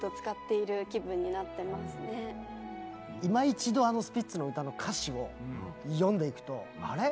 いま一度スピッツの歌の歌詞を読んでいくとあれ？